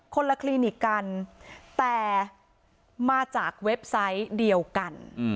คนละคลินิกกันแต่มาจากเว็บไซต์เดียวกัน